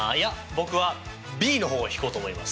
僕はＢの方を引こうと思います！